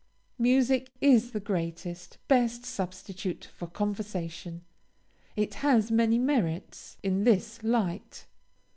Music is the greatest, best substitute for conversation. It has many merits, in this light.